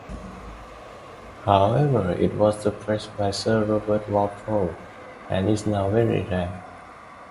However, it was suppressed by Sir Robert Walpole, and is now very rare.